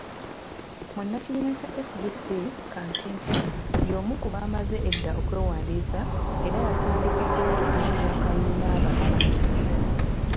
Munnakibiina kya FDC, Kantinti y'omu ku baamaze edda okwewandiisa era yatandikiddewo okunoonya akalulu, n'abalala.